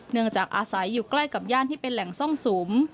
จากอาศัยอยู่ใกล้กับย่านที่เป็นแหล่งซ่องสุม